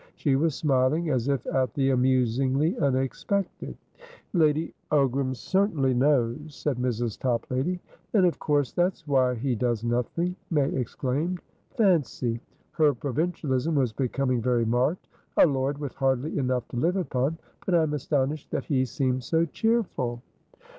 She was smiling, as if at the amusingly unexpected. "Lady Ogram certainly knows," said Mrs. Toplady. "Then of course that's why he does nothing," May exclaimed. "Fancy!" Her provincialism was becoming very marked. "A lord with hardly enough to live upon! But I'm astonished that he seems so cheerful."